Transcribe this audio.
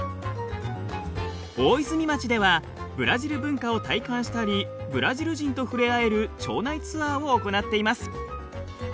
大泉町ではブラジル文化を体感したりブラジル人と触れ合える町内ツアーを行っています。